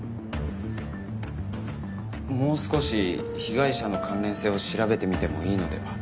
もう少し被害者の関連性を調べてみてもいいのでは？